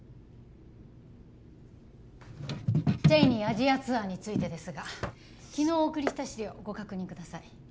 ＣＨＡＹＮＥＹアジアツアーについてですが昨日お送りした資料ご確認ください